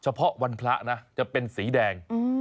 เฉพาะวันพระนะจะเป็นสีแดง